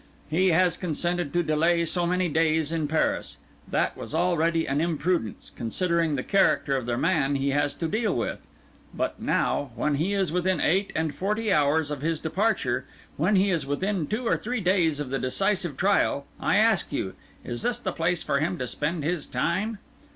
He has consented to delay so many days in Paris; that was already an imprudence, considering the character of the man he has to deal with; but now, when he is within eight and forty hours of his departure, when he is within two or three days of the decisive trial, I ask you, is this a place for him to spend his time?